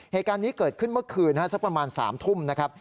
เหตุการณ์นี้เกิดขึ้นเมื่อคืนสักประมาณ๓ทุ่มนะครับ